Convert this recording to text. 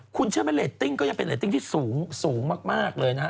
คุณเชื่อไหมเรตติ้งก็ยังเป็นเรตติ้งที่สูงมากเลยนะฮะ